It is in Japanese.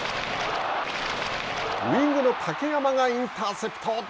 ウイングの竹山がインターセプト。